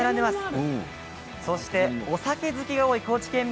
そして、お酒好きが多い高知県民